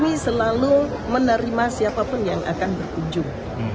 kami selalu menerima siapapun yang akan berkunjung